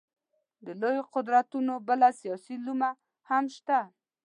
د لویو قدرتونو بله سیاسي لومه هم شته.